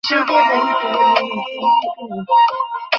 একবার যখন বলিয়াছি, তখন ঐ কথা ফিরাইয়া লওয়া চলিবে না।